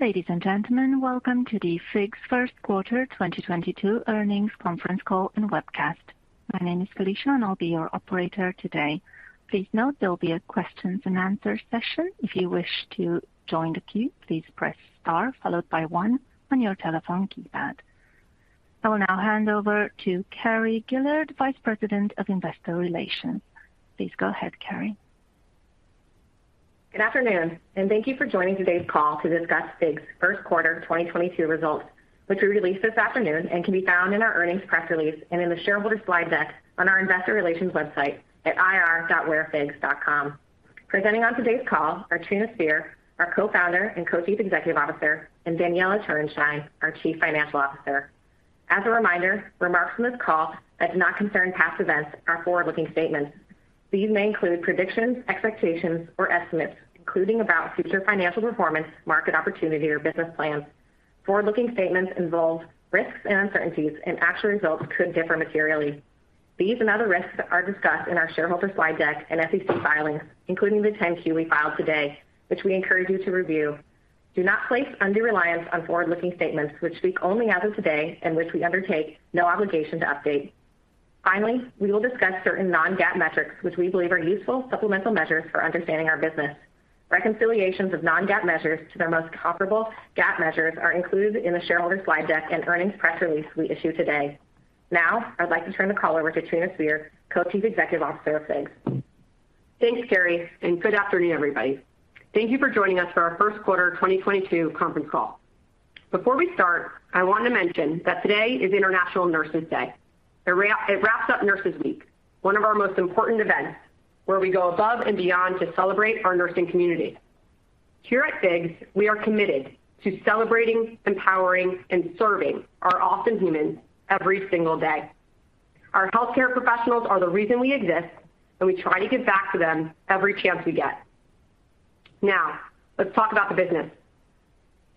Ladies and gentlemen, welcome to the FIGS' first quarter 2022 earnings conference call and webcast. My name is Kalisha, and I'll be your operator today. Please note there will be a question and answer session. If you wish to join the queue, please press star followed by one on your telephone keypad. I will now hand over to Carrie Gillard, Vice President of Investor Relations. Please go ahead, Carrie. Good afternoon, and thank you for joining today's call to discuss FIGS' first quarter 2022 results, which we released this afternoon and can be found in our earnings press release and in the shareholder slide deck on our Investor Relations website at ir.wearfigs.com. Presenting on today's call are Trina Spear, our Co-Founder and Co-Chief Executive Officer, and Daniella Turenshine, our Chief Financial Officer. As a reminder, remarks from this call that do not concern past events are forward-looking statements. These may include predictions, expectations, or estimates, including about future financial performance, market opportunity, or business plans. Forward-looking statements involve risks and uncertainties, and actual results could differ materially. These and other risks are discussed in our shareholder slide deck and SEC filings, including the 10-Q we filed today, which we encourage you to review. Do not place undue reliance on forward-looking statements which speak only as of today and which we undertake no obligation to update. Finally, we will discuss certain non-GAAP metrics which we believe are useful supplemental measures for understanding our business. Reconciliations of non-GAAP measures to their most comparable GAAP measures are included in the shareholder slide deck and earnings press release we issued today. Now, I'd like to turn the call over to Trina Spear, Co-Chief Executive Officer of FIGS. Thanks, Carrie, and good afternoon, everybody. Thank you for joining us for our first quarter 2022 conference call. Before we start, I want to mention that today is International Nurses Day. It wraps up Nurses Week, one of our most important events, where we go above and beyond to celebrate our nursing community. Here at FIGS, we are committed to celebrating, empowering, and serving our Awesome Humans every single day. Our healthcare professionals are the reason we exist, and we try to give back to them every chance we get. Now, let's talk about the business.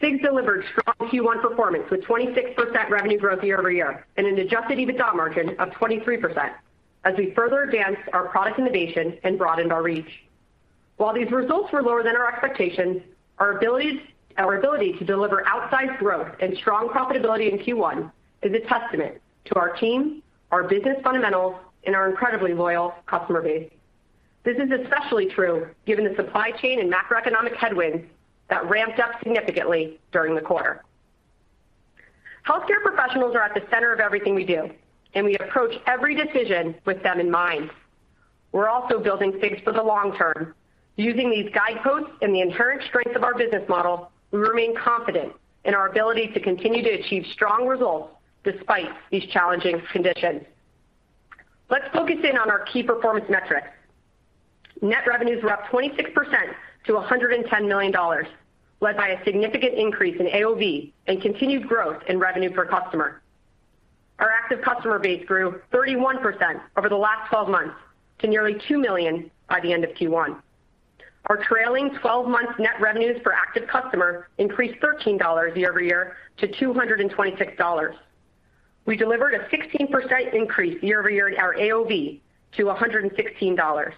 FIGS delivered strong Q1 performance with 26% revenue growth year-over-year and an adjusted EBITDA margin of 23% as we further advanced our product innovation and broadened our reach. While these results were lower than our expectations, our ability to deliver outsized growth and strong profitability in Q1 is a testament to our team, our business fundamentals, and our incredibly loyal customer base. This is especially true given the supply chain and macroeconomic headwinds that ramped up significantly during the quarter. Healthcare professionals are at the center of everything we do, and we approach every decision with them in mind. We're also building FIGS for the long term. Using these guideposts and the inherent strength of our business model, we remain confident in our ability to continue to achieve strong results despite these challenging conditions. Let's focus in on our key performance metrics. Net revenues were up 26% to $110 million, led by a significant increase in AOV and continued growth in revenue per customer. Our active customer base grew 31% over the last 12 months to nearly 2 million by the end of Q1. Our trailing 12-month net revenues per active customer increased $13 year-over-year to $226. We delivered a 16% increase year-over-year in our AOV to $116.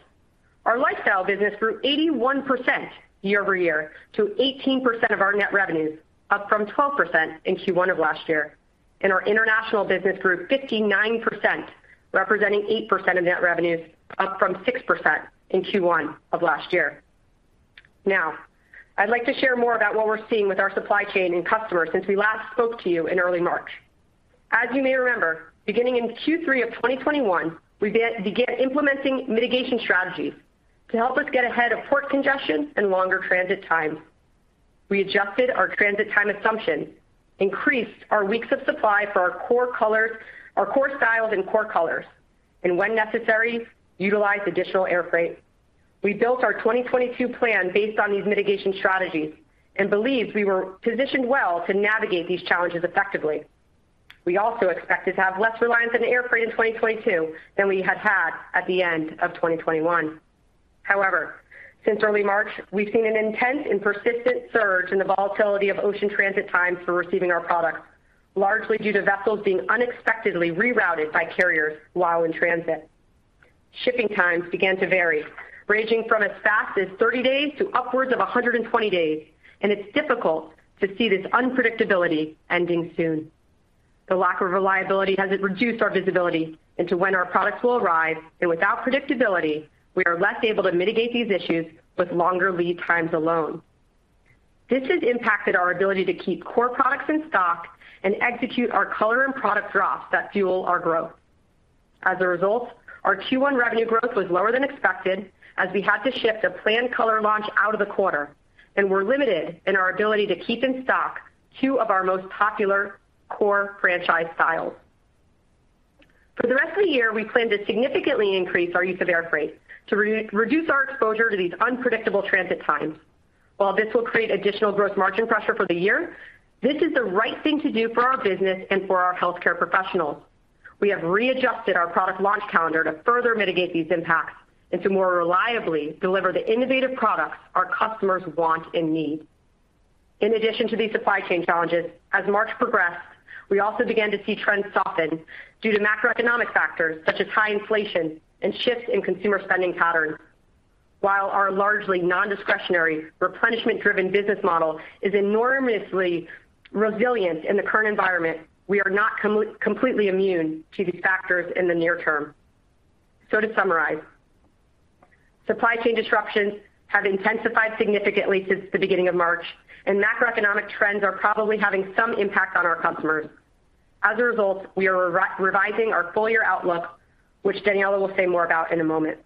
Our lifestyle business grew 81% year-over-year to 18% of our net revenues, up from 12% in Q1 of last year. Our international business grew 59%, representing 8% of net revenues, up from 6% in Q1 of last year. Now, I'd like to share more about what we're seeing with our supply chain and customers since we last spoke to you in early March. As you may remember, beginning in Q3 of 2021, we began implementing mitigation strategies to help us get ahead of port congestion and longer transit times. We adjusted our transit time assumption, increased our weeks of supply for our core colors, our core styles and core colors, and when necessary, utilized additional air freight. We built our 2022 plan based on these mitigation strategies and believed we were positioned well to navigate these challenges effectively. We also expected to have less reliance on air freight in 2022 than we had had at the end of 2021. However, since early March, we've seen an intense and persistent surge in the volatility of ocean transit times for receiving our products, largely due to vessels being unexpectedly rerouted by carriers while in transit. Shipping times began to vary, ranging from as fast as 30 days to upwards of 120 days, and it's difficult to see this unpredictability ending soon. The lack of reliability has reduced our visibility into when our products will arrive, and without predictability, we are less able to mitigate these issues with longer lead times alone. This has impacted our ability to keep core products in stock and execute our color and product drops that fuel our growth. As a result, our Q1 revenue growth was lower than expected as we had to shift a planned color launch out of the quarter and were limited in our ability to keep in stock two of our most popular core franchise styles. For the rest of the year we plan to significantly increase our use of air freight to reduce our exposure to these unpredictable transit times. While this will create additional growth margin pressure for the year, this is the right thing to do for our business and for our healthcare professionals. We have readjusted our product launch calendar to further mitigate these impacts and to more reliably deliver the innovative products our customers want and need. In addition to these supply chain challenges, as March progressed, we also began to see trends soften due to macroeconomic factors such as high inflation and shifts in consumer spending patterns. While our largely nondiscretionary, replenishment driven business model is enormously resilient in the current environment, we are not completely immune to these factors in the near term. To summarize, supply chain disruptions have intensified significantly since the beginning of March, and macroeconomic trends are probably having some impact on our customers. As a result, we are revising our full year outlook, which Daniella will say more about in a moment.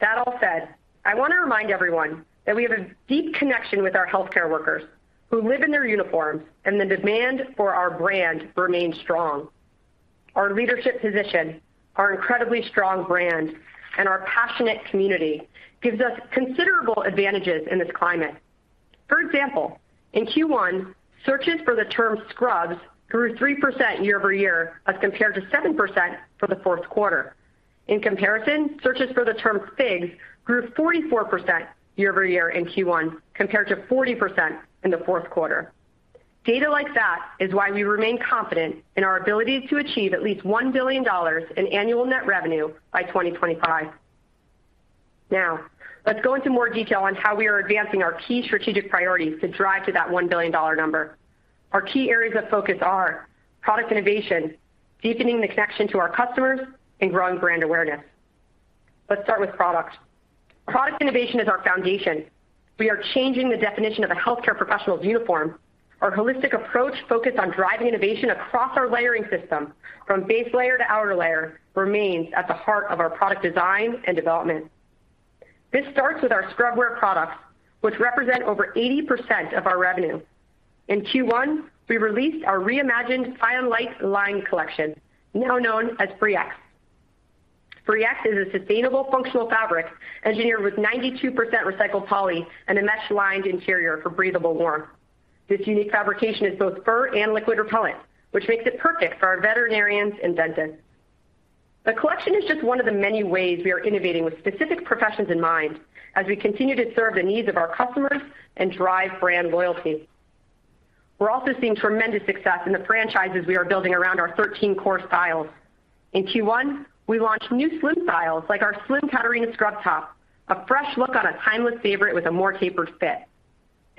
That all said, I wanna remind everyone that we have a deep connection with our healthcare workers who live in their uniforms, and the demand for our brand remains strong. Our leadership position, our incredibly strong brand, and our passionate community gives us considerable advantages in this climate. For example, in Q1, searches for the term scrubs grew 3% year-over-year as compared to 7% for the fourth quarter. In comparison, searches for the term FIGS grew 44% year-over-year in Q1, compared to 40% in the fourth quarter. Data like that is why we remain confident in our ability to achieve at least $1 billion in annual net revenue by 2025. Now, let's go into more detail on how we are advancing our key strategic priorities to drive to that $1 billion number. Our key areas of focus are product innovation, deepening the connection to our customers, and growing brand awareness. Let's start with product. Product innovation is our foundation. We are changing the definition of a healthcare professional's uniform. Our holistic approach focused on driving innovation across our layering system from base layer to outer layer, remains at the heart of our product design and development. This starts with our scrubwear products, which represent over 80% of our revenue. In Q1, we released our reimagined FIONlite line collection, now known as FREEx. FREEx is a sustainable, functional fabric engineered with 92% recycled poly and a mesh-lined interior for breathable warmth. This unique fabrication is both fur and liquid repellent, which makes it perfect for our veterinarians and dentists. The collection is just one of the many ways we are innovating with specific professions in mind, as we continue to serve the needs of our customers and drive brand loyalty. We're also seeing tremendous success in the franchises we are building around our 13 core styles. In Q1, we launched new slim styles like our slim Catarina scrub top, a fresh look on a timeless favorite with a more tapered fit.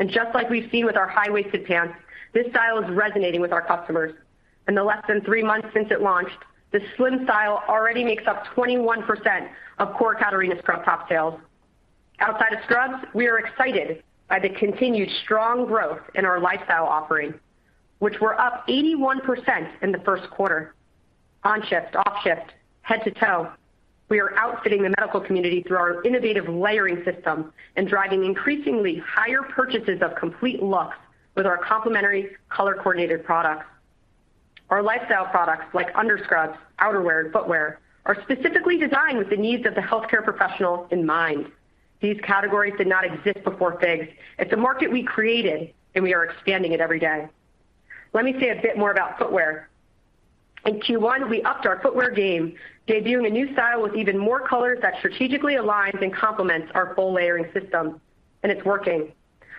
Just like we've seen with our high-waisted pants, this style is resonating with our customers. In the less than 3 months since it launched, the slim style already makes up 21% of core Catarina scrub top sales. Outside of scrubs, we are excited by the continued strong growth in our lifestyle offering, which were up 81% in the first quarter. On shift, off shift, head to toe, we are outfitting the medical community through our innovative layering system and driving increasingly higher purchases of complete looks with our complementary color-coordinated products. Our lifestyle products like under scrubs, outerwear, and footwear, are specifically designed with the needs of the healthcare professional in mind. These categories did not exist before FIGS. It's a market we created, and we are expanding it every day. Let me say a bit more about footwear. In Q1, we upped our footwear game, debuting a new style with even more colors that strategically aligns and complements our full layering system, and it's working.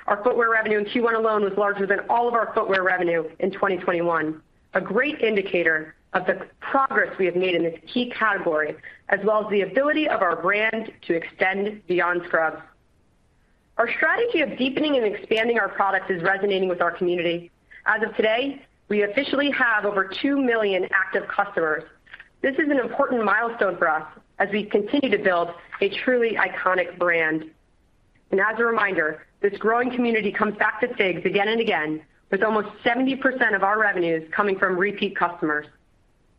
Our footwear revenue in Q1 alone was larger than all of our footwear revenue in 2021, a great indicator of the progress we have made in this key category, as well as the ability of our brand to extend beyond scrubs. Our strategy of deepening and expanding our products is resonating with our community. As of today, we officially have over 2 million active customers. This is an important milestone for us as we continue to build a truly iconic brand. As a reminder, this growing community comes back to FIGS again and again, with almost 70% of our revenues coming from repeat customers.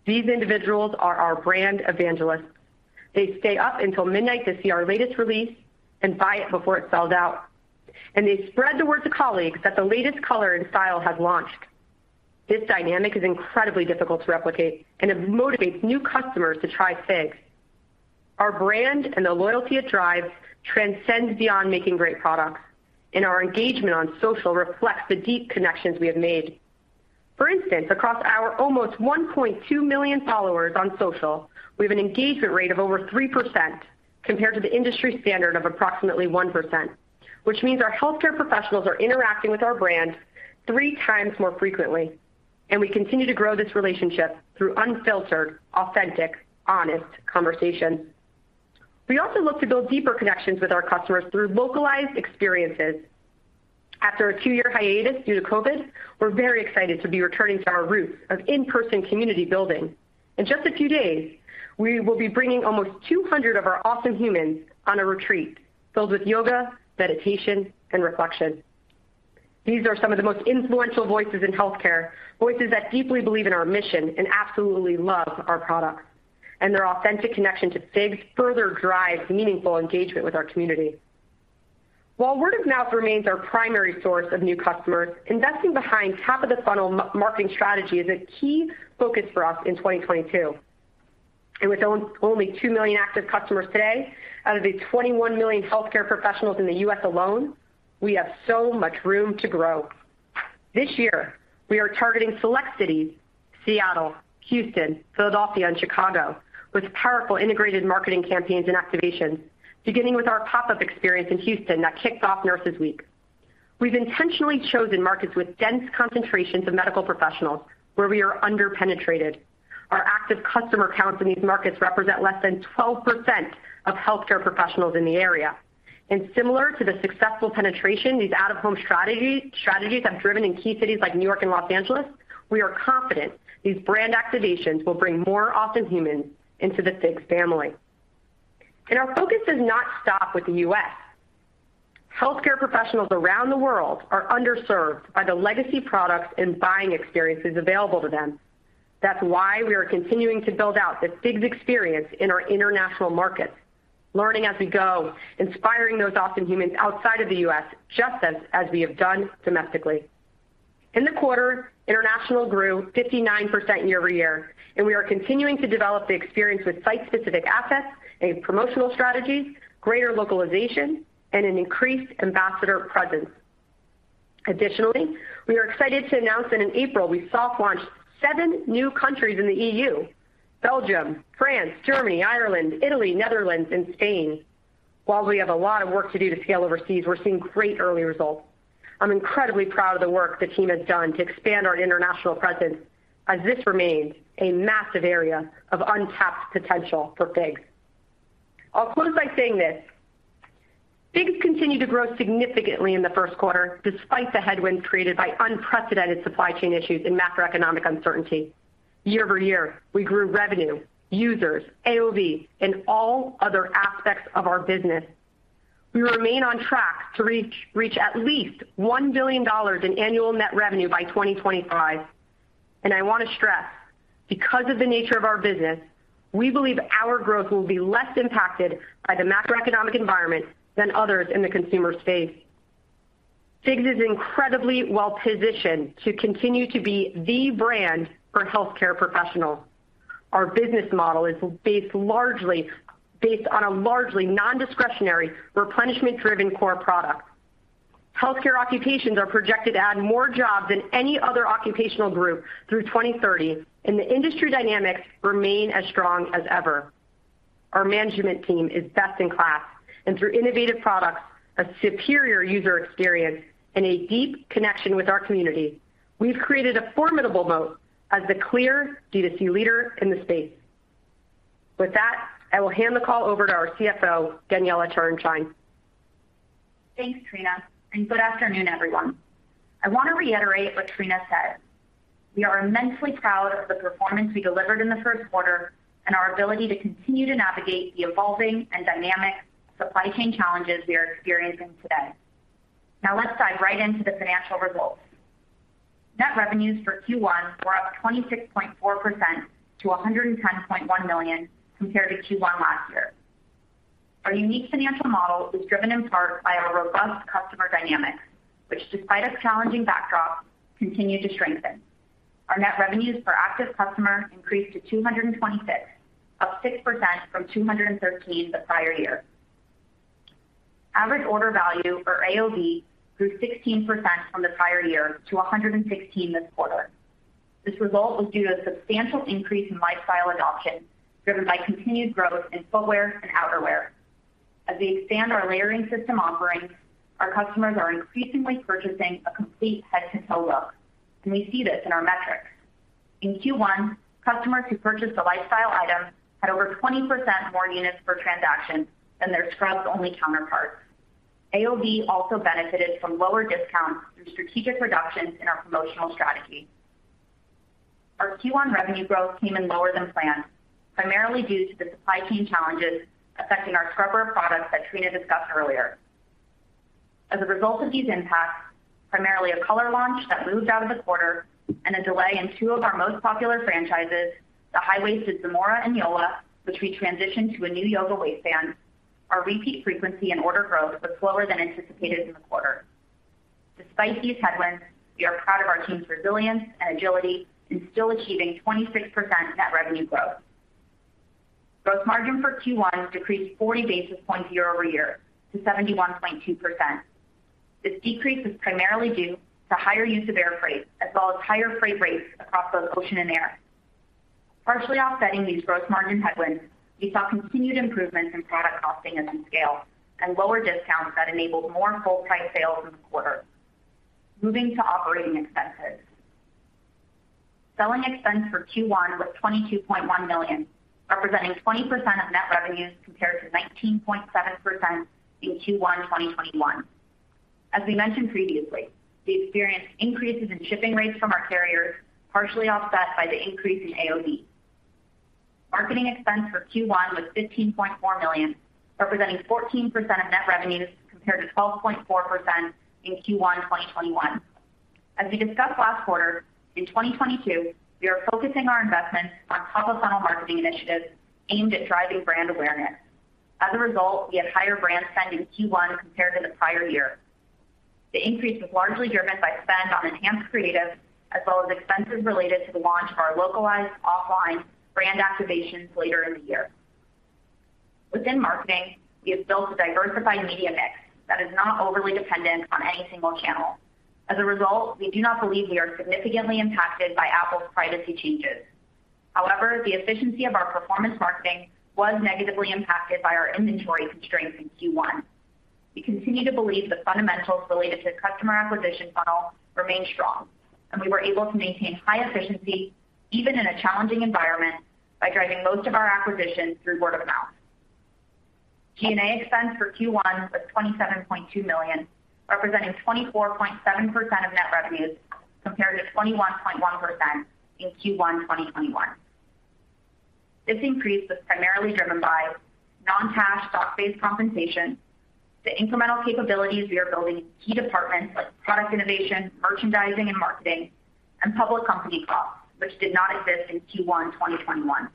These individuals are our brand evangelists. They stay up until midnight to see our latest release and buy it before it's sold out. They spread the word to colleagues that the latest color and style has launched. This dynamic is incredibly difficult to replicate, and it motivates new customers to try FIGS. Our brand and the loyalty it drives transcends beyond making great products, and our engagement on social reflects the deep connections we have made. For instance, across our almost 1.2 million followers on social, we have an engagement rate of over 3% compared to the industry standard of approximately 1%, which means our healthcare professionals are interacting with our brand 3x more frequently, and we continue to grow this relationship through unfiltered, authentic, honest conversation. We also look to build deeper connections with our customers through localized experiences. After a 2-year hiatus due to COVID, we're very excited to be returning to our roots of in-person community building. In just a few days, we will be bringing almost 200 of our Awesome Humans on a retreat filled with yoga, meditation, and reflection. These are some of the most influential voices in healthcare, voices that deeply believe in our mission and absolutely love our products. Their authentic connection to FIGS further drives meaningful engagement with our community. While word of mouth remains our primary source of new customers, investing behind top-of-the-funnel marketing strategy is a key focus for us in 2022. With only 2 million active customers today, out of the 21 million healthcare professionals in the U.S. alone, we have so much room to grow. This year, we are targeting select cities, Seattle, Houston, Philadelphia, and Chicago, with powerful integrated marketing campaigns and activation, beginning with our pop-up experience in Houston that kicks off Nurses Week. We've intentionally chosen markets with dense concentrations of medical professionals where we are under-penetrated. Our active customer counts in these markets represent less than 12% of healthcare professionals in the area. Similar to the successful penetration that these out-of-home strategies have driven in key cities like New York and Los Angeles, we are confident these brand activations will bring more Awesome Humans into the FIGS family. Our focus does not stop with the U.S. Healthcare professionals around the world are underserved by the legacy products and buying experiences available to them. That's why we are continuing to build out this FIGS experience in our international markets, learning as we go, inspiring those Awesome Humans outside of the U.S., just as we have done domestically. In the quarter, international grew 59% year-over-year, and we are continuing to develop the experience with site-specific assets, and promotional strategies, greater localization, and an increased ambassador presence. Additionally, we are excited to announce that in April, we soft launched seven new countries in the E.U., Belgium, France, Germany, Ireland, Italy, Netherlands, and Spain. While we have a lot of work to do to scale overseas, we're seeing great early results. I'm incredibly proud of the work the team has done to expand our international presence as this remains a massive area of untapped potential for FIGS. I'll close by saying this. FIGS continue to grow significantly in the first quarter despite the headwinds created by unprecedented supply chain issues and macroeconomic uncertainty. Year-over-year, we grew revenue, users, AOV, and all other aspects of our business. We remain on track to reach at least $1 billion in annual net revenue by 2025. I wanna stress, because of the nature of our business, we believe our growth will be less impacted by the macroeconomic environment than others in the consumer space. FIGS is incredibly well positioned to continue to be the brand for healthcare professionals. Our business model is based on a largely nondiscretionary, replenishment-driven core product. Healthcare occupations are projected to add more jobs than any other occupational group through 2030, and the industry dynamics remain as strong as ever. Our management team is best in class, and through innovative products, a superior user experience, and a deep connection with our community, we've created a formidable moat as the clear D2C leader in the space. With that, I will hand the call over to our CFO, Daniella Turenshine. Thanks, Trina, and good afternoon, everyone. I want to reiterate what Trina said. We are immensely proud of the performance we delivered in the first quarter and our ability to continue to navigate the evolving and dynamic supply chain challenges we are experiencing today. Now, let's dive right into the financial results. Net revenues for Q1 were up 26.4% to $110.1 million compared to Q1 last year. Our unique financial model is driven in part by our robust customer dynamics, which despite a challenging backdrop, continued to strengthen. Our net revenues per active customer increased to 226, up 6% from 213 the prior year. Average order value or AOV grew 16% from the prior year to 116 this quarter. This result was due to a substantial increase in lifestyle adoption, driven by continued growth in footwear and outerwear. As we expand our layering system offerings, our customers are increasingly purchasing a complete head to toe look, and we see this in our metrics. In Q1, customers who purchased a lifestyle item had over 20% more units per transaction than their scrubs-only counterparts. AOV also benefited from lower discounts through strategic reductions in our promotional strategy. Our Q1 revenue growth came in lower than planned, primarily due to the supply chain challenges affecting our scrubwear products that Trina discussed earlier. As a result of these impacts, primarily a color launch that moved out of the quarter and a delay in two of our most popular franchises, the high-waisted Zamora and Yola, which we transitioned to a new yoga waistband, our repeat frequency and order growth was slower than anticipated in the quarter. Despite these headwinds, we are proud of our team's resilience and agility in still achieving 26% net revenue growth. Gross margin for Q1 decreased 40 basis points year-over-year to 71.2%. This decrease is primarily due to higher use of air freight as well as higher freight rates across both ocean and air. Partially offsetting these gross margin headwinds, we saw continued improvements in product costing and in scale and lower discounts that enabled more full price sales in the quarter. Moving to operating expenses. Selling expense for Q1 was $22.1 million, representing 20% of net revenues compared to 19.7% in Q1 2021. As we mentioned previously, we experienced increases in shipping rates from our carriers, partially offset by the increase in AOV. Marketing expense for Q1 was $15.4 million, representing 14% of net revenues compared to 12.4% in Q1 2021. As we discussed last quarter, in 2022, we are focusing our investments on top-of-funnel marketing initiatives aimed at driving brand awareness. As a result, we had higher brand spend in Q1 compared to the prior year. The increase was largely driven by spend on enhanced creative as well as expenses related to the launch of our localized offline brand activations later in the year. Within marketing, we have built a diversified media mix that is not overly dependent on any single channel. As a result, we do not believe we are significantly impacted by Apple's privacy changes. However, the efficiency of our performance marketing was negatively impacted by our inventory constraints in Q1. We continue to believe the fundamentals related to the customer acquisition funnel remain strong, and we were able to maintain high efficiency even in a challenging environment by driving most of our acquisitions through word of mouth. G&A expense for Q1 was $27.2 million, representing 24.7% of net revenues, compared to 21.1% in Q1 2021. This increase was primarily driven by non-cash stock-based compensation, the incremental capabilities we are building in key departments like product innovation, merchandising, and marketing, and public company costs, which did not exist in Q1 2021.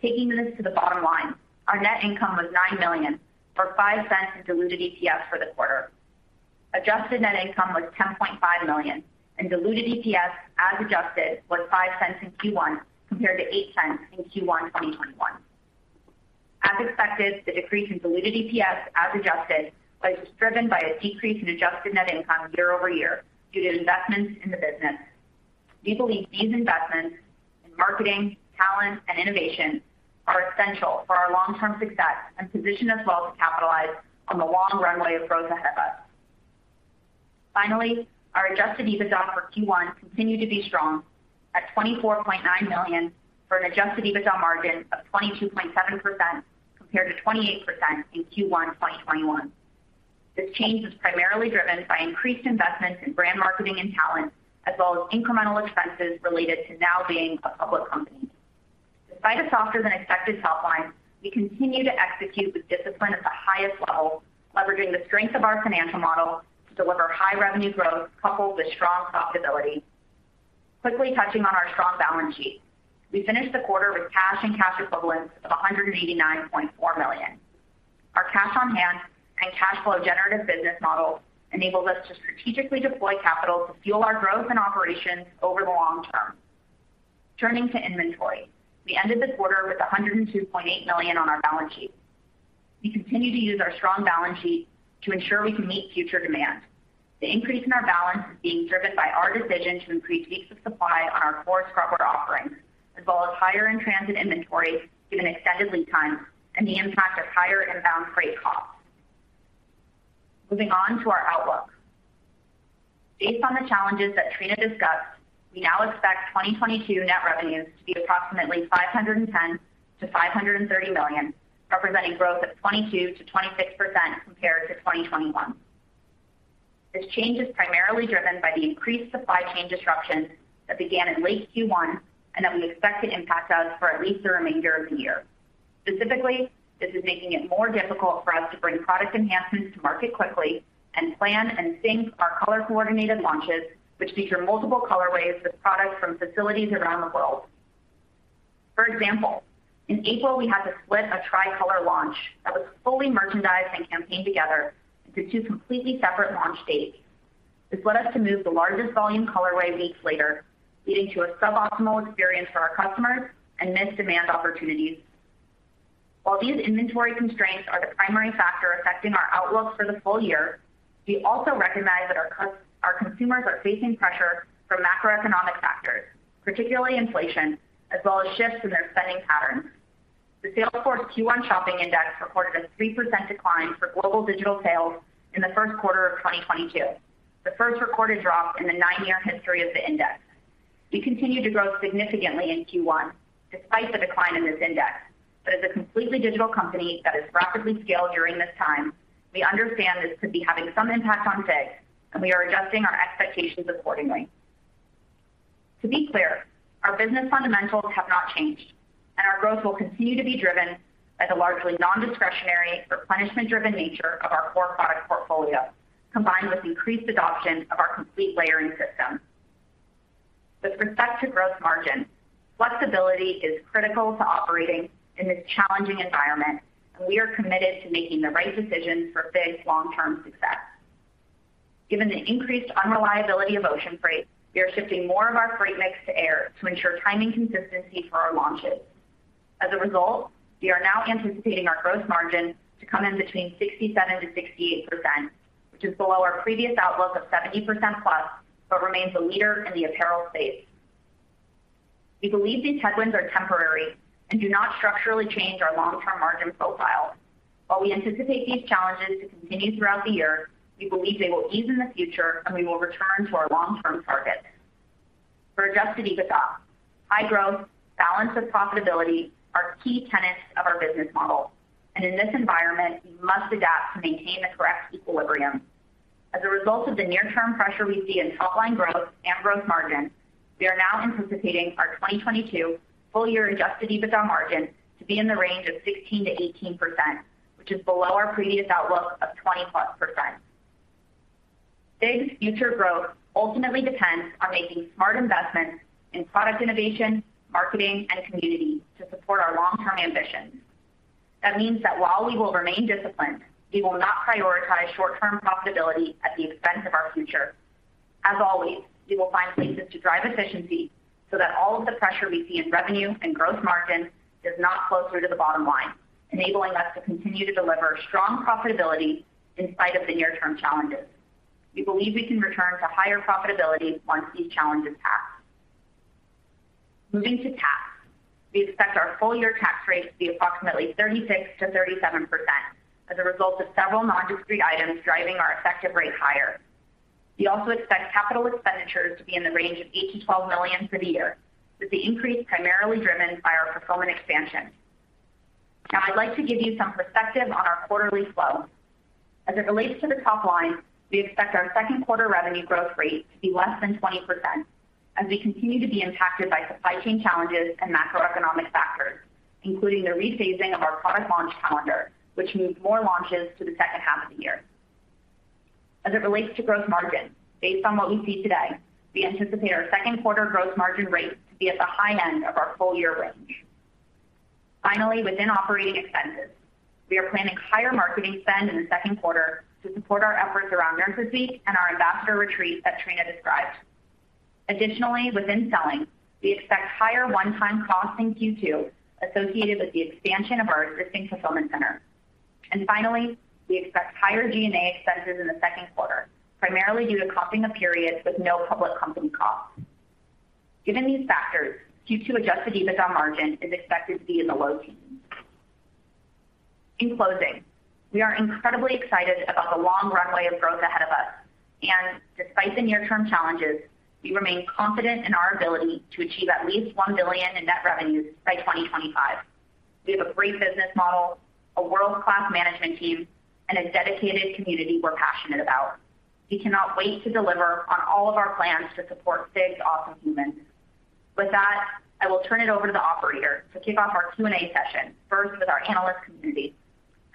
Taking this to the bottom line, our net income was $9 million, or $0.05 in diluted EPS for the quarter. Adjusted net income was $10.5 million, and diluted EPS as adjusted was $0.05 in Q1 compared to $0.08 in Q1 2021. As expected, the decrease in diluted EPS as adjusted was driven by a decrease in adjusted net income year-over-year due to investments in the business. We believe these investments in marketing, talent, and innovation are essential for our long-term success and position us well to capitalize on the long runway of growth ahead of us. Finally, our adjusted EBITDA for Q1 continued to be strong at $24.9 million for an adjusted EBITDA margin of 22.7% compared to 28% in Q1 2021. This change was primarily driven by increased investments in brand marketing and talent, as well as incremental expenses related to now being a public company. Despite a softer than expected top line, we continue to execute with discipline at the highest level, leveraging the strength of our financial model to deliver high revenue growth coupled with strong profitability. Quickly touching on our strong balance sheet. We finished the quarter with cash and cash equivalents of $189.4 million. Our cash on hand and cash flow generative business model enabled us to strategically deploy capital to fuel our growth and operations over the long term. Turning to inventory, we ended the quarter with $102.8 million on our balance sheet. We continue to use our strong balance sheet to ensure we can meet future demand. The increase in our balance is being driven by our decision to increase weeks of supply on our core scrub wear offerings, as well as higher in-transit inventory given extended lead times and the impact of higher inbound freight costs. Moving on to our outlook. Based on the challenges that Trina discussed, we now expect 2022 net revenues to be approximately $510 million-$530 million, representing growth of 22%-26% compared to 2021. This change is primarily driven by the increased supply chain disruptions that began in late Q1 and that we expect to impact us for at least the remainder of the year. Specifically, this is making it more difficult for us to bring product enhancements to market quickly and plan and sync our color coordinated launches, which feature multiple colorways with products from facilities around the world. For example, in April, we had to split a tricolor launch that was fully merchandised and campaigned together into two completely separate launch dates. This led us to move the largest volume colorway weeks later, leading to a suboptimal experience for our customers and missed demand opportunities. While these inventory constraints are the primary factor affecting our outlook for the full year, we also recognize that our consumers are facing pressure from macroeconomic factors, particularly inflation, as well as shifts in their spending patterns. The Salesforce Q1 Shopping Index reported a 3% decline for global digital sales in the first quarter of 2022, the first recorded drop in the 9-year history of the index. We continued to grow significantly in Q1 despite the decline in this index. As a completely digital company that has rapidly scaled during this time, we understand this could be having some impact on FIGS, and we are adjusting our expectations accordingly. To be clear, our business fundamentals have not changed, and our growth will continue to be driven by the largely non-discretionary, replenishment-driven nature of our core product portfolio, combined with increased adoption of our complete layering system. With respect to gross margin, flexibility is critical to operating in this challenging environment, and we are committed to making the right decisions for FIGS's long-term success. Given the increased unreliability of ocean freight, we are shifting more of our freight mix to air to ensure timing consistency for our launches. As a result, we are now anticipating our gross margin to come in between 67%-68%, which is below our previous outlook of 70%+, but remains a leader in the apparel space. We believe these headwinds are temporary and do not structurally change our long-term margin profile. While we anticipate these challenges to continue throughout the year, we believe they will ease in the future and we will return to our long-term targets. For adjusted EBITDA, high growth, balance of profitability are key tenets of our business model, and in this environment, we must adapt to maintain the correct equilibrium. As a result of the near-term pressure we see in top-line growth and gross margin, we are now anticipating our 2022 full year adjusted EBITDA margin to be in the range of 16%-18%, which is below our previous outlook of 20%+. FIGS' future growth ultimately depends on making smart investments in product innovation, marketing, and community to support our long-term ambitions. That means that while we will remain disciplined, we will not prioritize short-term profitability at the expense of our future. As always, we will find places to drive efficiency so that all of the pressure we see in revenue and gross margin is not closer to the bottom line, enabling us to continue to deliver strong profitability in spite of the near-term challenges. We believe we can return to higher profitability once these challenges pass. Moving to tax. We expect our full-year tax rate to be approximately 36%-37% as a result of several non-deductible items driving our effective rate higher. We also expect capital expenditures to be in the range of $8 million-$12 million for the year, with the increase primarily driven by our fulfillment expansion. Now I'd like to give you some perspective on our quarterly flow. As it relates to the top line, we expect our second quarter revenue growth rate to be less than 20% as we continue to be impacted by supply chain challenges and macroeconomic factors, including the rephasing of our product launch calendar, which moves more launches to the second half of the year. As it relates to gross margin, based on what we see today, we anticipate our second quarter gross margin rate to be at the high end of our full-year range. Finally, within operating expenses, we are planning higher marketing spend in the second quarter to support our efforts around Nurses Week and our ambassador retreat that Trina described. Additionally, within selling, we expect higher one-time costs in Q2 associated with the expansion of our existing fulfillment center. Finally, we expect higher G&A expenses in the second quarter, primarily due to costing of periods with no public company costs. Given these factors, Q2 adjusted EBITDA margin is expected to be in the low teens. In closing, we are incredibly excited about the long runway of growth ahead of us. Despite the near-term challenges, we remain confident in our ability to achieve at least $1 billion in net revenues by 2025. We have a great business model, a world-class management team, and a dedicated community we're passionate about. We cannot wait to deliver on all of our plans to support FIGS's Awesome Humans. With that, I will turn it over to the operator to kick off our Q&A session, first with our analyst community.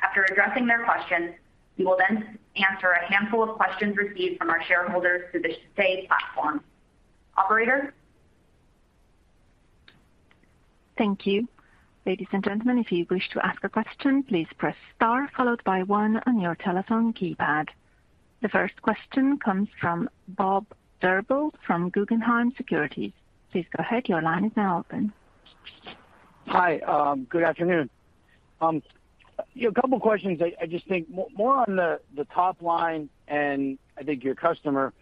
After addressing their questions, we will then answer a handful of questions received from our shareholders through the Say platform. Operator. Thank you. Ladies and gentlemen, if you wish to ask a question, please press star followed by one on your telephone keypad. The first question comes from Bob Drbul from Guggenheim Securities. Please go ahead. Your line is now open. Hi. Good afternoon. A couple of questions. I just think more on the top line and I think your customer.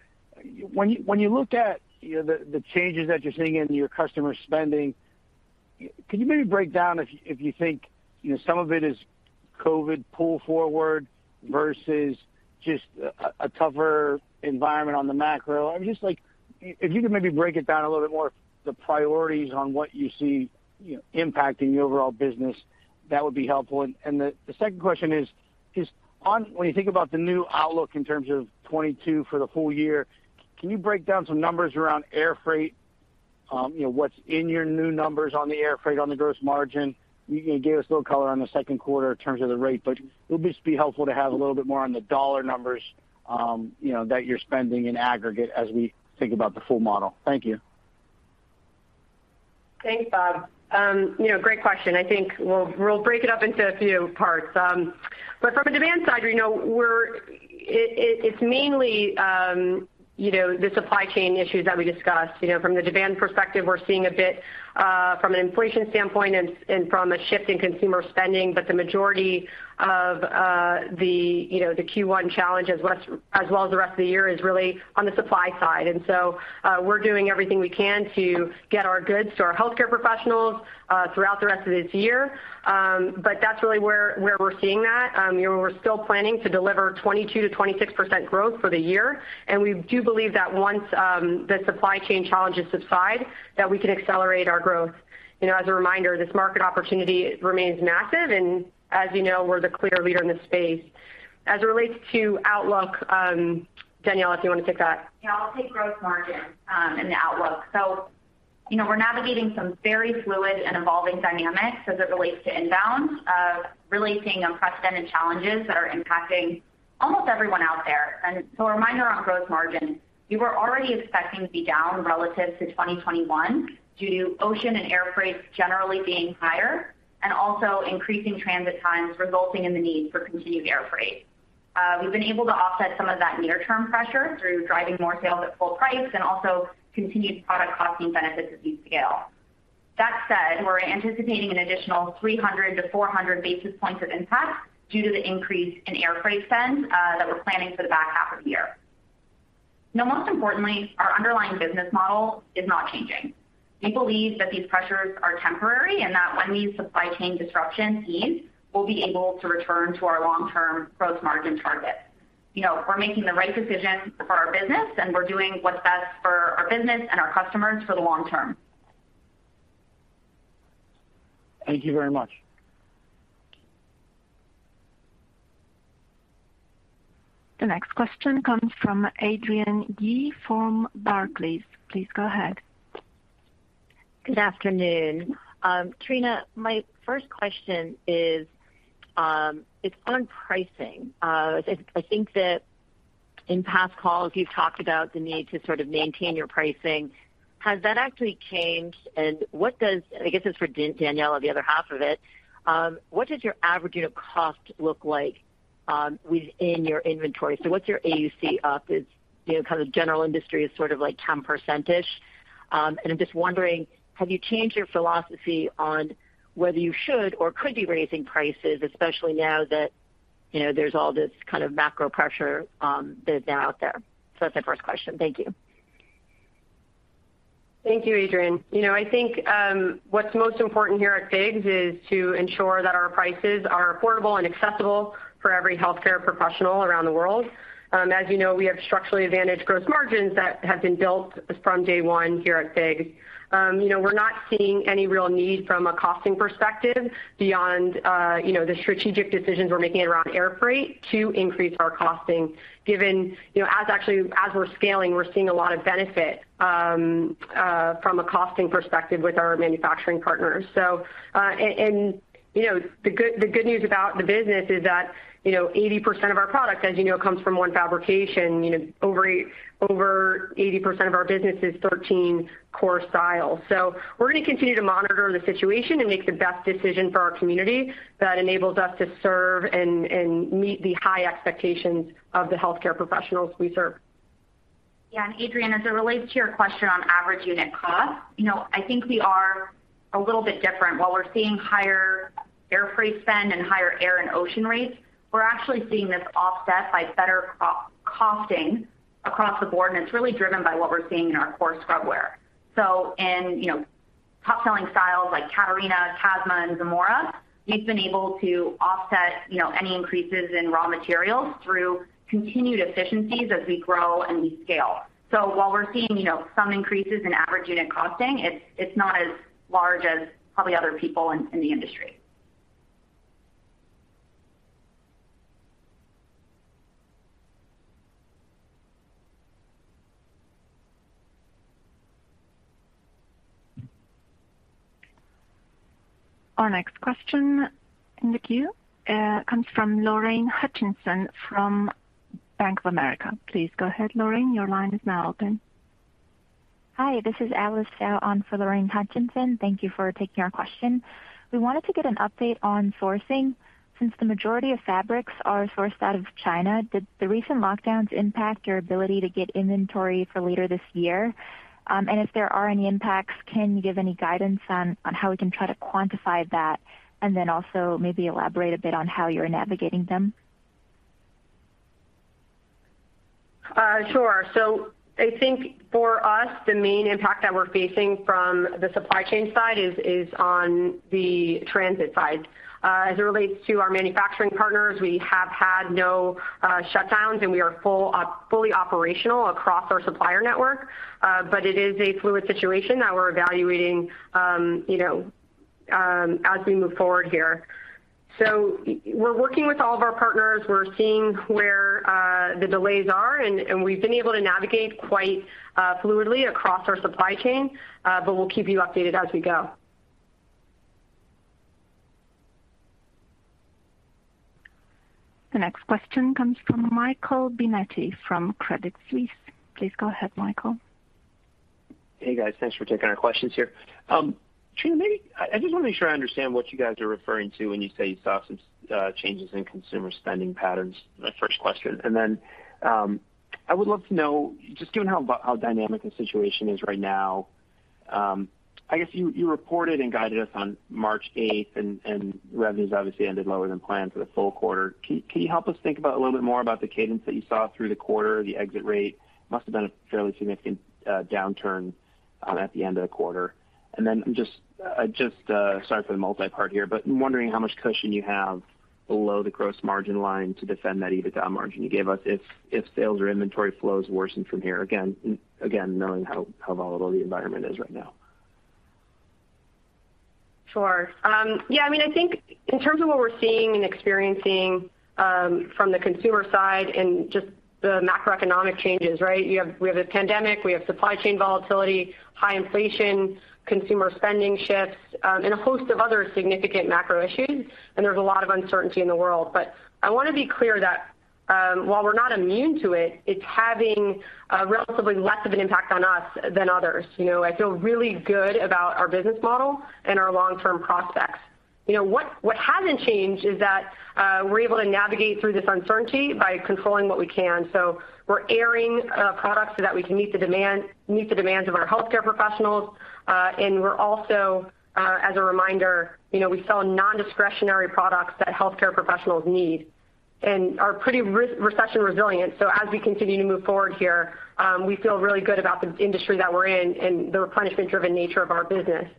When you look at, you know, the changes that you're seeing in your customer spending, can you maybe break down if you think, you know, some of it is COVID pull forward versus just a tougher environment on the macro? I'm just like, if you could maybe break it down a little bit more, the priorities on what you see, you know, impacting the overall business, that would be helpful. The second question is on when you think about the new outlook in terms of 2022 for the whole year, can you break down some numbers around air freight? You know, what's in your new numbers on the air freight on the gross margin? You can give us a little color on the second quarter in terms of the rate, but it'll just be helpful to have a little bit more on the dollar numbers, you know, that you're spending in aggregate as we think about the full model. Thank you. Thanks, Bob. You know, great question. I think we'll break it up into a few parts. From a demand side, you know, it's mainly the supply chain issues that we discussed. You know, from the demand perspective, we're seeing a bit from an inflation standpoint and from a shift in consumer spending. The majority of the Q1 challenge as well as the rest of the year is really on the supply side. We're doing everything we can to get our goods to our healthcare professionals throughout the rest of this year. That's really where we're seeing that. You know, we're still planning to deliver 22%-26% growth for the year. We do believe that once the supply chain challenges subside, that we can accelerate our growth. You know, as a reminder, this market opportunity remains massive, and as you know, we're the clear leader in this space. As it relates to outlook, Danielle, if you wanna take that. Yeah, I'll take gross margin and the outlook. You know, we're navigating some very fluid and evolving dynamics as it relates to inbound, really seeing unprecedented challenges that are impacting almost everyone out there. A reminder on gross margin, we were already expecting to be down relative to 2021 due to ocean and air freight generally being higher and also increasing transit times resulting in the need for continued air freight. We've been able to offset some of that near-term pressure through driving more sales at full price and also continued product costing benefits of scale. That said, we're anticipating an additional 300-400 basis points of impact due to the increase in air freight spend that we're planning for the back half of the year. Now, most importantly, our underlying business model is not changing. We believe that these pressures are temporary and that when these supply chain disruptions ease, we'll be able to return to our long-term gross margin target. You know, we're making the right decision for our business, and we're doing what's best for our business and our customers for the long term. Thank you very much. The next question comes from Adrienne Yih from Barclays. Please go ahead. Good afternoon. Trina, my first question is, it's on pricing. I think that in past calls, you've talked about the need to sort of maintain your pricing. Has that actually changed? What does, I guess it's for Daniella, the other half of it. What does your average unit cost look like within your inventory? So what's your AUC up? It's, you know, kind of general industry is sort of like 10%-ish. I'm just wondering, have you changed your philosophy on whether you should or could be raising prices, especially now that, you know, there's all this kind of macro pressure that is now out there. That's my first question. Thank you. Thank you, Adrienne. You know, I think what's most important here at FIGS is to ensure that our prices are affordable and accessible for every healthcare professional around the world. As you know, we have structurally advantaged gross margins that have been built from day one here at FIGS. You know, we're not seeing any real need from a costing perspective beyond, you know, the strategic decisions we're making around airfreight to increase our costing given, you know, as we're scaling, we're seeing a lot of benefit from a costing perspective with our manufacturing partners. You know, the good news about the business is that, you know, 80% of our product, as you know, comes from one fabrication. You know, over 80% of our business is 13 core styles. We're gonna continue to monitor the situation and make the best decision for our community that enables us to serve and meet the high expectations of the healthcare professionals we serve. Yeah. Adrienne, as it relates to your question on average unit cost, you know, I think we are a little bit different. While we're seeing higher airfreight spend and higher air and ocean rates, we're actually seeing this offset by better product costing across the board, and it's really driven by what we're seeing in our core scrubwear. In, you know, top-selling styles like Catarina, Casma, and Zamora, we've been able to offset, you know, any increases in raw materials through continued efficiencies as we grow and we scale. While we're seeing, you know, some increases in average unit costing, it's not as large as probably other people in the industry. Our next question in the queue comes from Lorraine Hutchinson from Bank of America. Please go ahead, Lorraine. Your line is now open. Hi, this is Alice Xiao on for Lorraine Hutchinson. Thank you for taking our question. We wanted to get an update on sourcing. Since the majority of fabrics are sourced out of China, did the recent lockdowns impact your ability to get inventory for later this year? If there are any impacts, can you give any guidance on how we can try to quantify that, and then also maybe elaborate a bit on how you're navigating them? Sure. I think for us, the main impact that we're facing from the supply chain side is on the transit side. As it relates to our manufacturing partners, we have had no shutdowns, and we are fully operational across our supplier network. But it is a fluid situation that we're evaluating, you know, as we move forward here. We're working with all of our partners. We're seeing where the delays are, and we've been able to navigate quite fluidly across our supply chain, but we'll keep you updated as we go. The next question comes from Michael Binetti from Credit Suisse. Please go ahead, Michael. Hey, guys. Thanks for taking our questions here. Trina, maybe I just wanna make sure I understand what you guys are referring to when you say you saw some changes in consumer spending patterns, the first question. I would love to know, just given how dynamic the situation is right now. I guess you reported and guided us on March 8th, and revenues obviously ended lower than planned for the full quarter. Can you help us think about a little bit more about the cadence that you saw through the quarter? The exit rate must have been a fairly significant downturn at the end of the quarter. I'm just sorry for the multipart here, but I'm wondering how much cushion you have below the gross margin line to defend that EBITDA margin you gave us if sales or inventory flows worsen from here. Again, knowing how volatile the environment is right now. Sure. Yeah, I mean, I think in terms of what we're seeing and experiencing, from the consumer side and just the macroeconomic changes, right? We have the pandemic, we have supply chain volatility, high inflation, consumer spending shifts, and a host of other significant macro issues, and there's a lot of uncertainty in the world. I wanna be clear that, while we're not immune to it's having relatively less of an impact on us than others. You know, I feel really good about our business model and our long-term prospects. You know, what hasn't changed is that, we're able to navigate through this uncertainty by controlling what we can. We're ordering products so that we can meet the demand, meet the demands of our healthcare professionals. We're also, as a reminder, you know, we sell non-discretionary products that healthcare professionals need and are pretty recession resilient. We continue to move forward here, we feel really good about the industry that we're in and the replenishment driven nature of our business.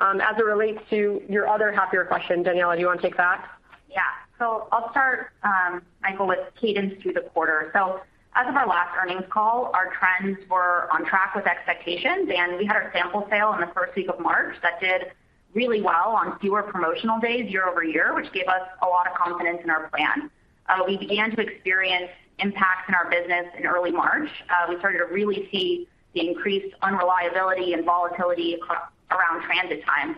As it relates to your other half of your question, Daniella Turenshine, do you wanna take that? Yeah. I'll start, Michael, with cadence through the quarter. As of our last earnings call, our trends were on track with expectations, and we had our sample sale in the first week of March. That did really well on fewer promotional days year-over-year, which gave us a lot of confidence in our plan. We began to experience impacts in our business in early March. We started to really see the increased unreliability and volatility around transit times.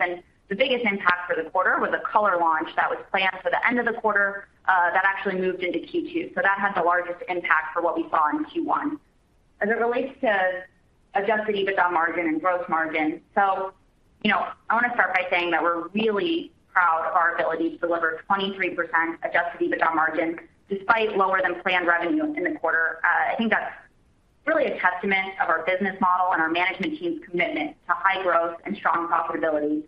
The biggest impact for the quarter was a color launch that was planned for the end of the quarter, that actually moved into Q2. That had the largest impact for what we saw in Q1. As it relates to Adjusted EBITDA margin and gross margin. You know, I wanna start by saying that we're really proud of our ability to deliver 23% adjusted EBITDA margin despite lower than planned revenue in the quarter. I think that's really a testament to our business model and our management team's commitment to high growth and strong profitability.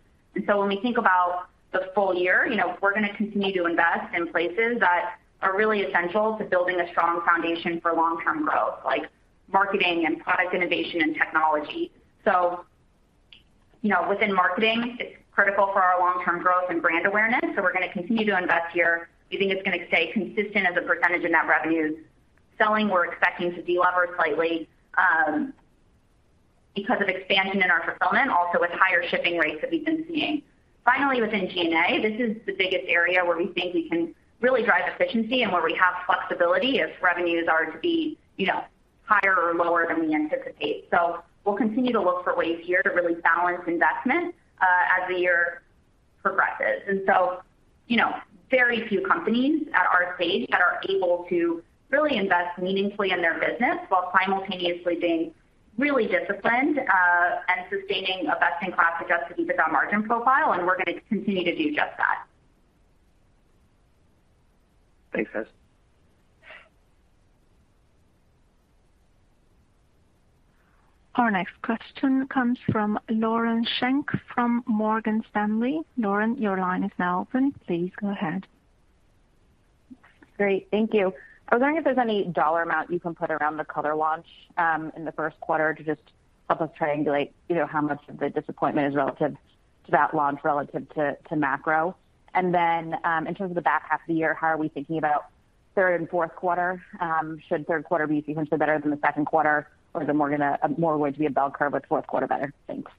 When we think about the full year, you know, we're gonna continue to invest in places that are really essential to building a strong foundation for long-term growth, like marketing and product innovation and technology. You know, within marketing, it's critical for our long-term growth and brand awareness, so we're gonna continue to invest here. We think it's gonna stay consistent as a percentage of net revenues. Selling, we're expecting to delever slightly because of expansion in our fulfillment, also with higher shipping rates that we've been seeing. Finally, within G&A, this is the biggest area where we think we can really drive efficiency and where we have flexibility if revenues are to be, you know, higher or lower than we anticipate. We'll continue to look for ways here to really balance investment as the year progresses. Very few companies at our stage that are able to really invest meaningfully in their business while simultaneously being really disciplined and sustaining a best-in-class adjusted EBITDA margin profile, and we're gonna continue to do just that. Thanks, guys. Our next question comes from Lauren Schenk from Morgan Stanley. Lauren, your line is now open. Please go ahead. Great. Thank you. I was wondering if there's any dollar amount you can put around the color launch in the first quarter to just help us triangulate, you know, how much of the disappointment is relative to that launch relative to macro. Then, in terms of the back half of the year, how are we thinking about third and fourth quarter? Should third quarter be significantly better than the second quarter or is it more of a bell curve with fourth quarter better? Thanks.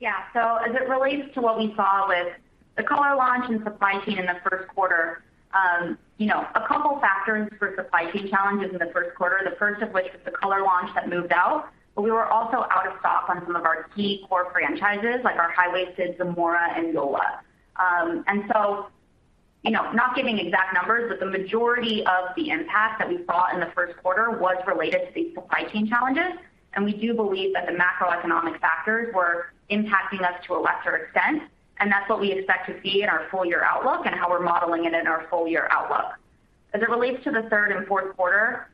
Yeah. As it relates to what we saw with the color launch and supply chain in the first quarter, you know, a couple factors for supply chain challenges in the first quarter, the first of which was the color launch that moved out, but we were also out of stock on some of our key core franchises like our high-waisted Zamora and Yola. You know, not giving exact numbers, but the majority of the impact that we saw in the first quarter was related to these supply chain challenges, and we do believe that the macroeconomic factors were impacting us to a lesser extent, and that's what we expect to see in our full year outlook and how we're modeling it in our full year outlook. As it relates to the third and fourth quarter,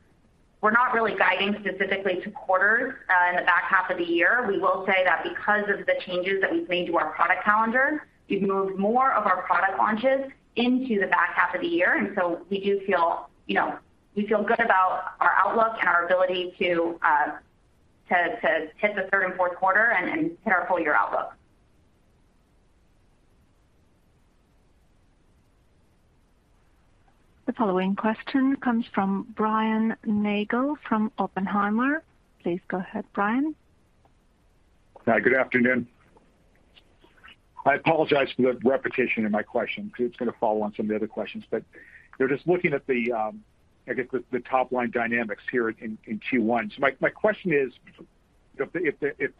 we're not really guiding specifically to quarters in the back half of the year. We will say that because of the changes that we've made to our product calendar, we've moved more of our product launches into the back half of the year, and so we do feel, you know, we feel good about our outlook and our ability to hit the third and fourth quarter and hit our full year outlook. The following question comes from Brian Nagel from Oppenheimer. Please go ahead, Brian. Hi. Good afternoon. I apologize for the repetition in my question. It's gonna follow on some of the other questions. Just looking at the, I guess, the top line dynamics here in Q1. My question is if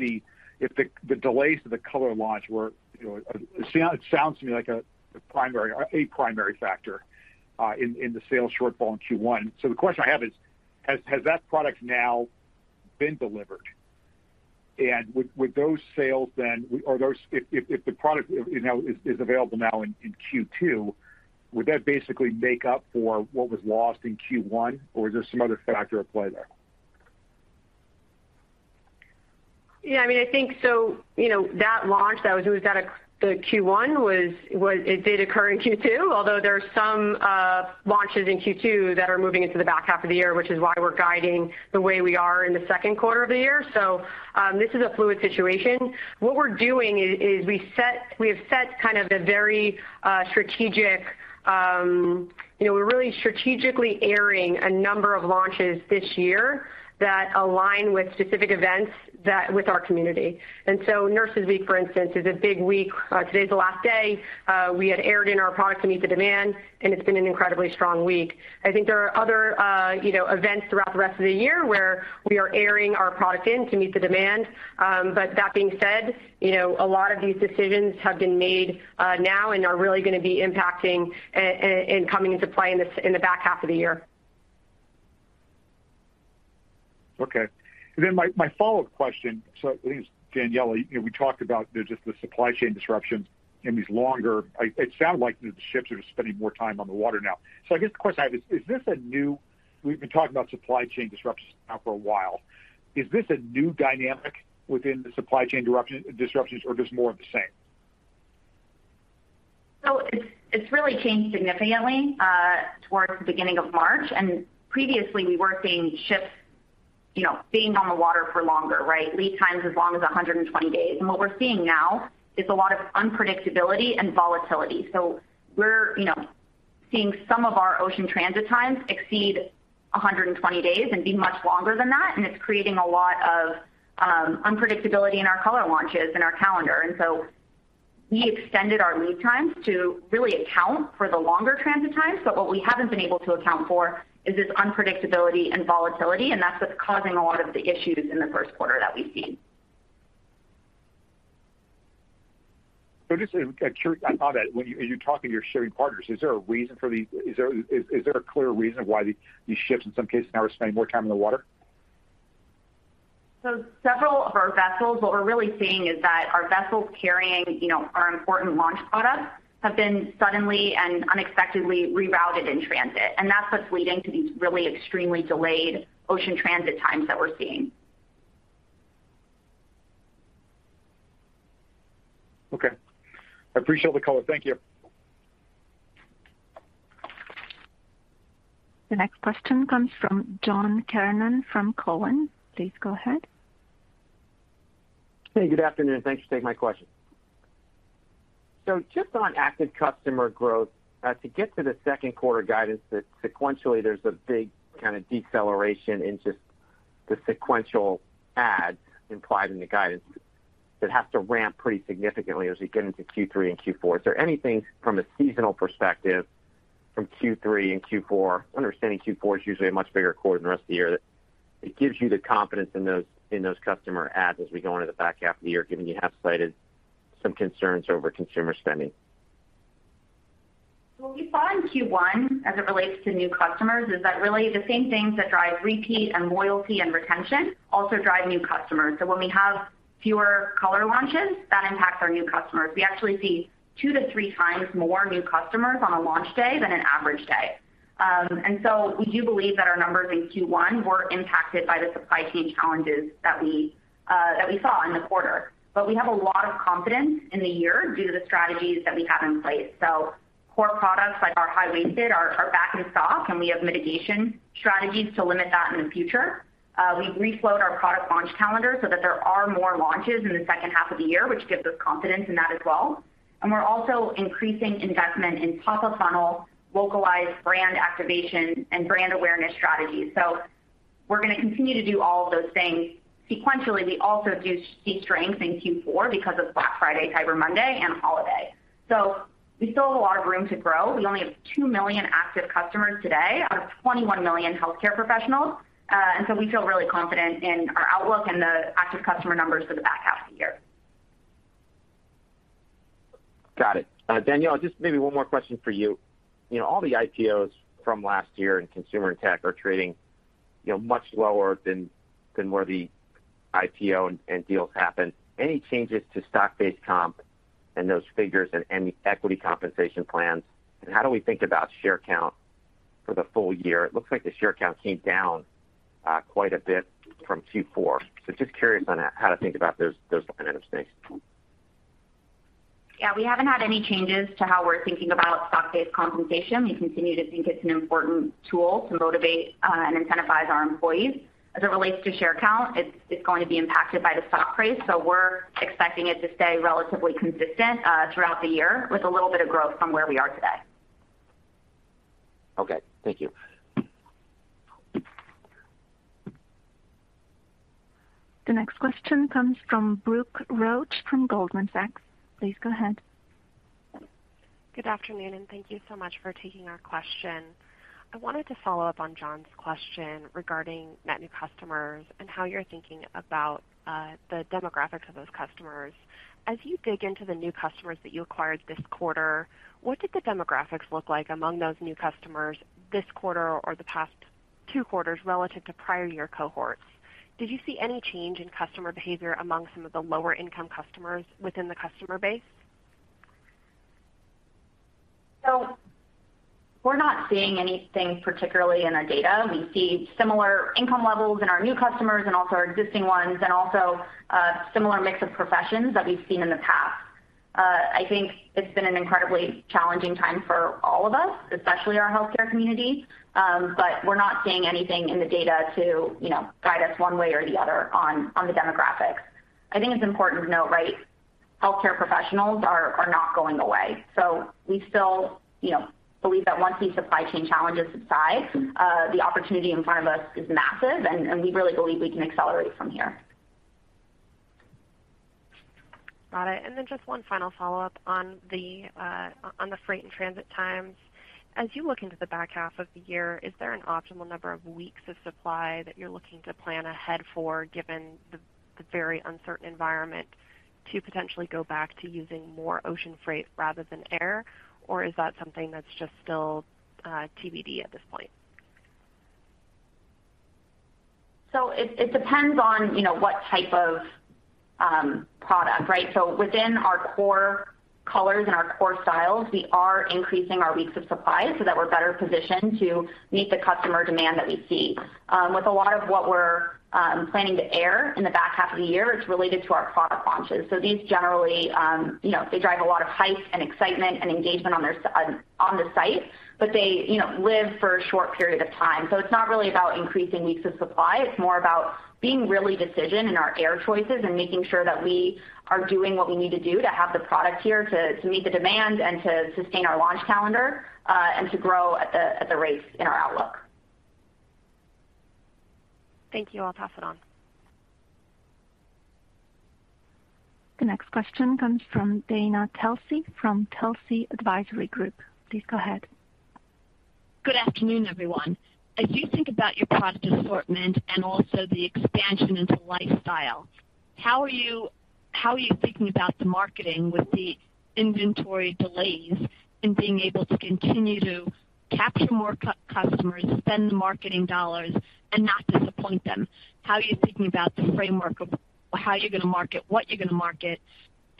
the delays to the color launch were. It sounds to me like a primary factor in the sales shortfall in Q1. The question I have is, has that product now been delivered? Would those sales then. If the product is available now in Q2, would that basically make up for what was lost in Q1, or is there some other factor at play there? Yeah, I mean, I think so. You know, that launch that was moved out of the Q1 was it did occur in Q2, although there are some launches in Q2 that are moving into the back half of the year, which is why we're guiding the way we are in the second quarter of the year. This is a fluid situation. What we're doing is we set. We have set kind of the very strategic. You know, we're really strategically airing a number of launches this year that align with specific events that with our community. Nurses Week, for instance, is a big week. Today's the last day. We had aired in our product to meet the demand, and it's been an incredibly strong week. I think there are other, you know, events throughout the rest of the year where we are ordering our product in to meet the demand. That being said, you know, a lot of these decisions have been made now and are really gonna be impacting and coming into play in the back half of the year. Okay. My follow-up question. I believe it's Daniella. You know, we talked about just the supply chain disruptions and these longer. It sounded like the ships are just spending more time on the water now. I guess the question I have is this a new. We've been talking about supply chain disruptions now for a while. Is this a new dynamic within the supply chain disruptions or just more of the same? It's really changed significantly towards the beginning of March. Previously, we were seeing ships, you know, being on the water for longer, right? Lead times as long as 120 days. What we're seeing now is a lot of unpredictability and volatility. We're, you know, seeing some of our ocean transit times exceed 120 days and be much longer than that, and it's creating a lot of unpredictability in our color launches and our calendar. We extended our lead times to really account for the longer transit times, but what we haven't been able to account for is this unpredictability and volatility, and that's what's causing a lot of the issues in the first quarter that we've seen. Just on that, when you're talking, your shipping partners, is there a clear reason why these ships in some cases now are spending more time in the water? Several of our vessels, what we're really seeing is that our vessels carrying, you know, our important launch products have been suddenly and unexpectedly rerouted in transit. That's what's leading to these really extremely delayed ocean transit times that we're seeing. Okay. I appreciate the color. Thank you. The next question comes from John Kernan from Cowen. Please go ahead. Hey, good afternoon. Thanks for taking my question. Just on active customer growth, to get to the second quarter guidance that sequentially there's a big kind of deceleration in just the sequential adds implied in the guidance that has to ramp pretty significantly as we get into Q3 and Q4. Is there anything from a seasonal perspective from Q3 and Q4, understanding Q4 is usually a much bigger quarter than the rest of the year, that it gives you the confidence in those, in those customer adds as we go into the back half of the year, given you have cited some concerns over consumer spending? What we saw in Q1 as it relates to new customers is that really the same things that drive repeat and loyalty and retention also drive new customers. When we have fewer color launches, that impacts our new customers. We actually see 2x-3x more new customers on a launch day than an average day. We do believe that our numbers in Q1 were impacted by the supply chain challenges that we saw in the quarter. We have a lot of confidence in the year due to the strategies that we have in place. Core products like our high-waisted are back in stock, and we have mitigation strategies to limit that in the future. We've reflowed our product launch calendar so that there are more launches in the second half of the year, which gives us confidence in that as well. We're also increasing investment in top of funnel, localized brand activation and brand awareness strategies. We're gonna continue to do all of those things. Sequentially, we also do see strength in Q4 because of Black Friday, Cyber Monday and holiday. We still have a lot of room to grow. We only have 2 million active customers today out of 21 million healthcare professionals. We feel really confident in our outlook and the active customer numbers for the back half of the year. Got it. Danielle, just maybe one more question for you. You know, all the IPOs from last year in consumer and tech are trading, you know, much lower than where the IPO and deals happened. Any changes to stock-based comp and those figures and any equity compensation plans? How do we think about share count for the full year? It looks like the share count came down quite a bit from Q4. Just curious on how to think about those kind of things. Yeah. We haven't had any changes to how we're thinking about stock-based compensation. We continue to think it's an important tool to motivate and incentivize our employees. As it relates to share count, it's going to be impacted by the stock price, so we're expecting it to stay relatively consistent throughout the year with a little bit of growth from where we are today. Okay. Thank you. The next question comes from Brooke Roach from Goldman Sachs. Please go ahead. Good afternoon, and thank you so much for taking our question. I wanted to follow up on John's question regarding net new customers and how you're thinking about, the demographics of those customers. As you dig into the new customers that you acquired this quarter, what did the demographics look like among those new customers this quarter or the past two quarters relative to prior year cohorts? Did you see any change in customer behavior among some of the lower income customers within the customer base? We're not seeing anything particularly in our data. We see similar income levels in our new customers and also our existing ones and also a similar mix of professions that we've seen in the past. I think it's been an incredibly challenging time for all of us, especially our healthcare community. We're not seeing anything in the data to, you know, guide us one way or the other on the demographics. I think it's important to note, right, healthcare professionals are not going away. We still, you know, believe that once these supply chain challenges subside, the opportunity in front of us is massive, and we really believe we can accelerate from here. Got it. Then just one final follow-up on the freight and transit times. As you look into the back half of the year, is there an optimal number of weeks of supply that you're looking to plan ahead for, given the very uncertain environment, to potentially go back to using more ocean freight rather than air? Or is that something that's just TBD at this point? It depends on, you know, what type of product, right? Within our core colors and our core styles, we are increasing our weeks of supply so that we're better positioned to meet the customer demand that we see. With a lot of what we're planning to wear in the back half of the year, it's related to our product launches. These generally, you know, they drive a lot of hype and excitement and engagement on the site, but they live for a short period of time. It's not really about increasing weeks of supply, it's more about being really decisive in our inventory choices and making sure that we are doing what we need to do to have the product here to meet the demand and to sustain our launch calendar, and to grow at the rates in our outlook. Thank you. I'll pass it on. The next question comes from Dana Telsey from Telsey Advisory Group. Please go ahead. Good afternoon, everyone. As you think about your product assortment and also the expansion into lifestyle, how are you thinking about the marketing with the inventory delays in being able to continue to capture more customers, spend the marketing dollars and not disappoint them? How are you thinking about the framework of how you're gonna market, what you're gonna market,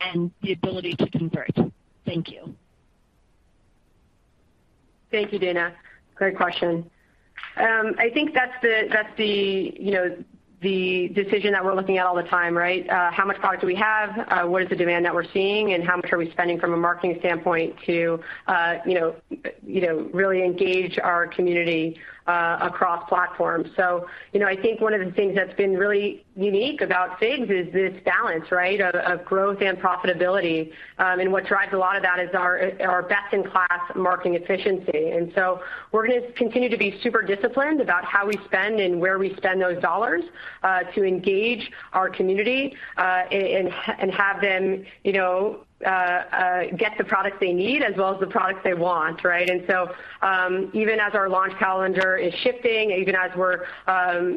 and the ability to convert? Thank you. Thank you, Dana. Great question. I think that's the you know the decision that we're looking at all the time, right? How much product do we have? What is the demand that we're seeing, and how much are we spending from a marketing standpoint to you know really engage our community across platforms. I think one of the things that's been really unique about FIGS is this balance, right? Of growth and profitability. What drives a lot of that is our best-in-class marketing efficiency. We're gonna continue to be super disciplined about how we spend and where we spend those dollars to engage our community and have them you know get the products they need as well as the products they want, right? Even as our launch calendar is shifting, even as we're,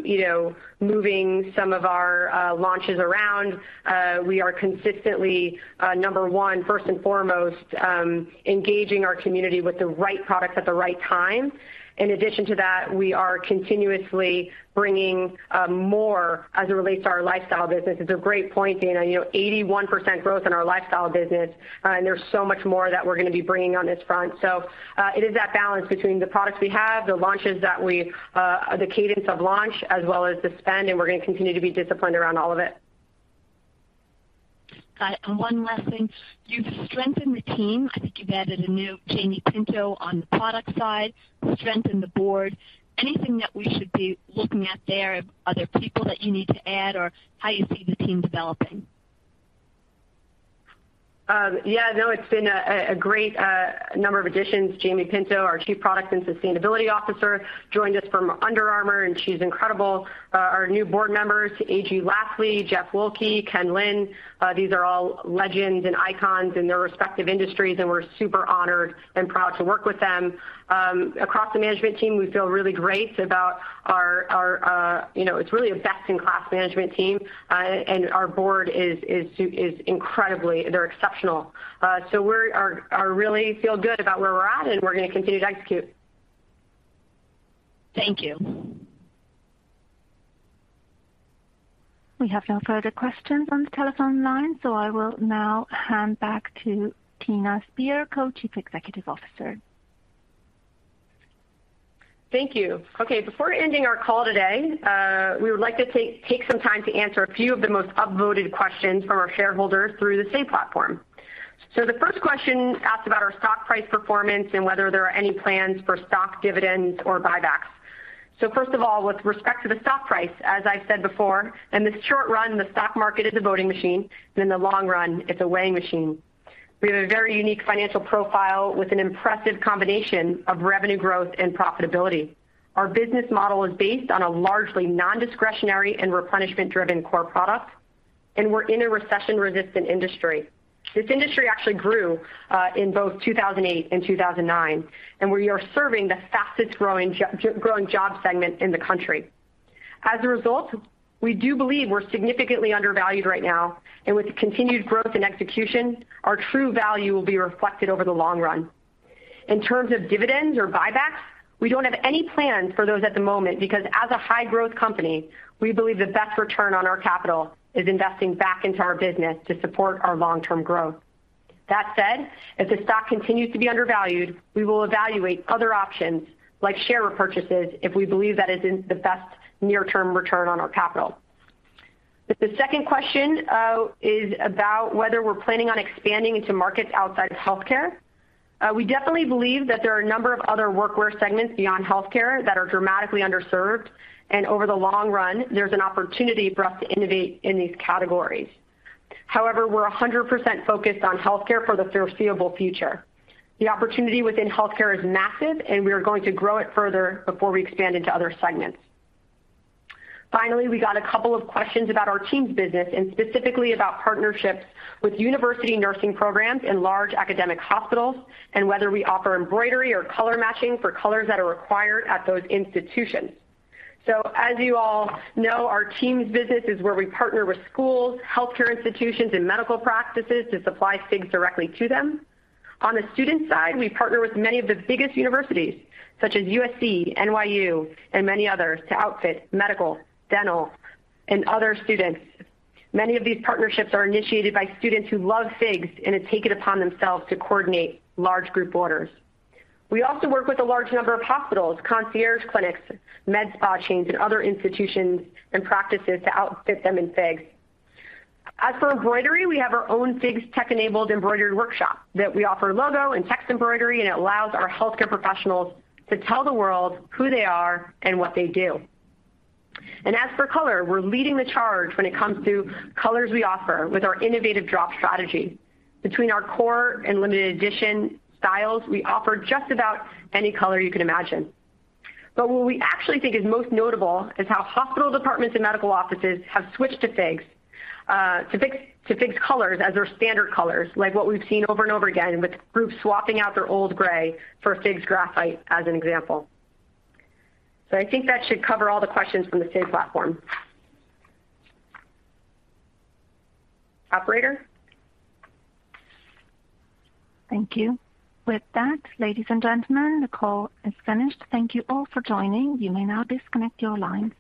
you know, moving some of our launches around, we are consistently number one, first and foremost, engaging our community with the right products at the right time. In addition to that, we are continuously bringing more as it relates to our lifestyle business. It's a great point, Dana. You know, 81% growth in our lifestyle business, and there's so much more that we're gonna be bringing on this front. It is that balance between the products we have, the launches, the cadence of launch as well as the spend, and we're gonna continue to be disciplined around all of it. Got it. One last thing. You've strengthened the team. I think you've added a new Jamie Pinto on the product side, strengthened the board. Anything that we should be looking at there? Other people that you need to add or how you see the team developing? Yeah, no, it's been a great number of additions. Jamie Pinto, our Chief Product and Sustainability Officer, joined us from Under Armour, and she's incredible. Our new board members, A.G. Lafley, Jeff Wilke, Ken Lin, these are all legends and icons in their respective industries, and we're super honored and proud to work with them. Across the management team, we feel really great about our you know, it's really a best-in-class management team. Our board is incredibly, they're exceptional. We really feel good about where we're at, and we're gonna continue to execute. Thank you. We have no further questions on the telephone line, so I will now hand back to Trina Spear, Co-Chief Executive Officer. Thank you. Okay, before ending our call today, we would like to take some time to answer a few of the most upvoted questions from our shareholders through the Say platform. The first question asked about our stock price performance and whether there are any plans for stock dividends or buybacks. First of all, with respect to the stock price, as I said before, in the short run, the stock market is a voting machine, and in the long run, it's a weighing machine. We have a very unique financial profile with an impressive combination of revenue growth and profitability. Our business model is based on a largely non-discretionary and replenishment driven core product, and we're in a recession resistant industry. This industry actually grew in both 2008 and 2009, and we are serving the fastest growing job segment in the country. As a result, we do believe we're significantly undervalued right now, and with continued growth and execution, our true value will be reflected over the long run. In terms of dividends or buybacks, we don't have any plans for those at the moment because as a high growth company, we believe the best return on our capital is investing back into our business to support our long-term growth. That said, if the stock continues to be undervalued, we will evaluate other options like share repurchases if we believe that is in the best near-term return on our capital. The second question is about whether we're planning on expanding into markets outside of healthcare. We definitely believe that there are a number of other workwear segments beyond healthcare that are dramatically underserved, and over the long run, there's an opportunity for us to innovate in these categories. However, we're 100% focused on healthcare for the foreseeable future. The opportunity within healthcare is massive, and we are going to grow it further before we expand into other segments. Finally, we got a couple of questions about our TEAMS business and specifically about partnerships with university nursing programs in large academic hospitals and whether we offer embroidery or color matching for colors that are required at those institutions. As you all know, our TEAMS business is where we partner with schools, healthcare institutions and medical practices to supply FIGS directly to them. On the student side, we partner with many of the biggest universities, such as USC, NYU and many others, to outfit medical, dental and other students. Many of these partnerships are initiated by students who love FIGS and have taken it upon themselves to coordinate large group orders. We also work with a large number of hospitals, concierge clinics, med spa chains and other institutions and practices to outfit them in FIGS. As for embroidery, we have our own FIGS tech-enabled embroidery workshop that we offer logo and text embroidery, and it allows our healthcare professionals to tell the world who they are and what they do. As for color, we're leading the charge when it comes to colors we offer with our innovative drop strategy. Between our core and limited edition styles, we offer just about any color you can imagine. What we actually think is most notable is how hospital departments and medical offices have switched to FIGS colors as their standard colors, like what we've seen over and over again with groups swapping out their old gray for FIGS Graphite as an example. I think that should cover all the questions from the Say platform. Operator? Thank you. With that, ladies and gentlemen, the call is finished. Thank you all for joining. You may now disconnect your line.